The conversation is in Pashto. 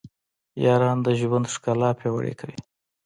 یاران د ژوند ښکلا پیاوړې کوي.